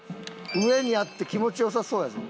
上にあって気持ち良さそうやぞ。